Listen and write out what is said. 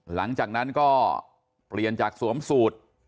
หลังจากนั้นก็เปลี่ยนจากสวมสูตร